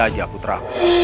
bisa saja putra